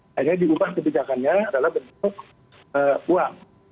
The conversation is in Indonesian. akhirnya diubah kebijakannya adalah bentuk uang